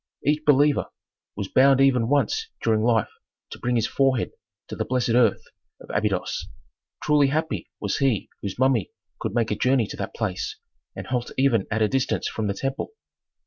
Each believer was bound even once during life to bring his forehead to the blessed earth of Abydos. Truly happy was he whose mummy could make a journey to that place and halt even at a distance from the temple.